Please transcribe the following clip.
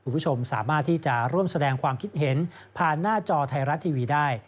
คุณผู้ชมสามารถที่จะร่วมแสดงความคิดเห็นผ่านหน้าจอไทยรัฐทีวีได้